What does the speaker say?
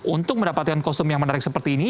untuk mendapatkan kostum yang menarik seperti ini